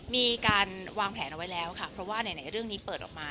มีการวางแผนเอาไว้แล้วค่ะเพราะว่าไหนเรื่องนี้เปิดออกมา